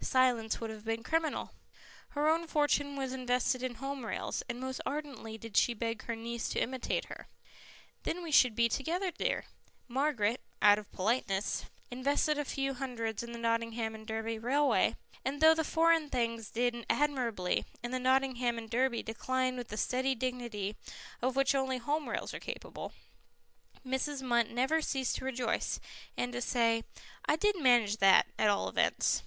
Silence would have been criminal. Her own fortune was invested in Home Rails, and most ardently did she beg her niece to imitate her. "Then we should be together, dear." Margaret, out of politeness, invested a few hundreds in the Nottingham and Derby Railway, and though the Foreign Things did admirably and the Nottingham and Derby declined with the steady dignity of which only Home Rails are capable, Mrs. Munt never ceased to rejoice, and to say, "I did manage that, at all events.